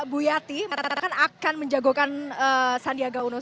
bu yati mengatakan akan menjagokan sandiaga uno